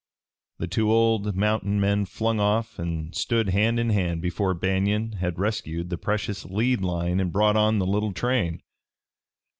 The two old mountain men flung off and stood hand in hand before Banion had rescued the precious lead line and brought on the little train.